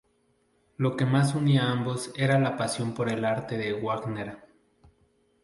Lo que unía a ambos era la pasión por el arte de Wagner.